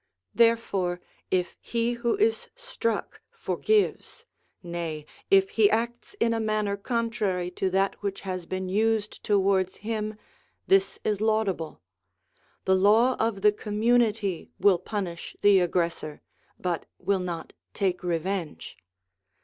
Therefore if u 306 SOME ANSWERED QUESTIONS he who is struck forgives, nay, if he acts in a manner contrary to that which has been used towards him, this is laudable. The law of the community will punish the aggressor, but will not take revenge.